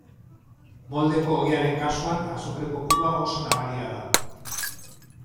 Moldeko ogiaren kasuan, azukre kopurua oso nabaria da.